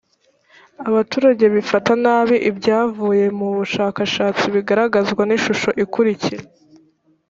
abaturage bifata nabi ibyavuye mu bushakashatsi bigaragazwa n ishusho ikurikira